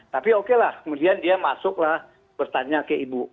tapi oke lah kemudian dia masuklah bertanya ke ibu